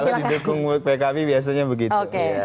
kalau di dukung pkb biasanya begitu